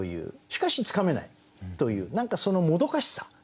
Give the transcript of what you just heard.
しかしつかめないという何かそのもどかさしさ。